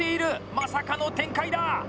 まさかの展開だ！